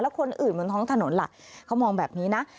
คนอื่นบนท้องถนนล่ะเขามองแบบนี้นะ